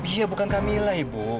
iya bukan kamilah ibu